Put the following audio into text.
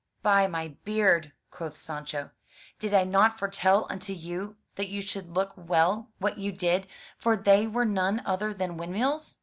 "By my beard!" quoth Sancho, "did I not foretell unto you that you should look well what you did, for they were none other than windmills?